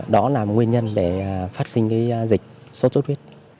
đó là nguyên nhân để phát sinh dịch sốt xuất huyết